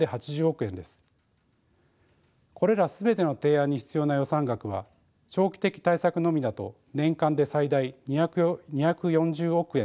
これら全ての提案に必要な予算額は長期的対策のみだと年間で最大２４０億円程度です。